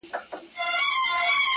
زه خو نه غواړم ژوندون د بې هنبرو٫